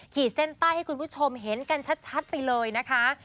ขีดเส้นใต้ให้คุณผู้ชมเห็นกันชัดไปเลยนะคะ